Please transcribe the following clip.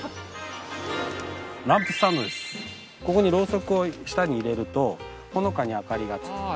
ここにろうそくを下に入れるとほのかに明かりがつく。